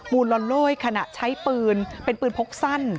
ูลอนโลยขณะใช้ปืนเป็นปืนพกสั้น